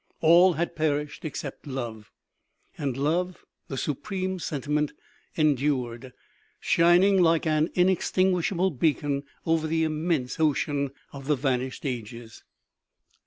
All had perished except love ; and love, the supreme sentiment, endured, shining like an inextinguishable beacon over the immense ocean of the vanished ages.